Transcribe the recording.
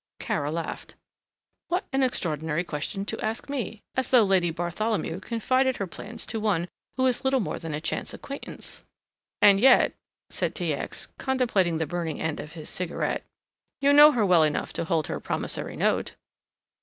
Kara laughed. "What an extraordinary question to ask me as though Lady Bartholomew confided her plans to one who is little more than a chance acquaintance!" "And yet," said T. X., contemplating the burning end of his cigarette, "you know her well enough to hold her promissory note."